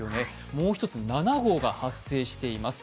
もう一つ、７号が発生しています。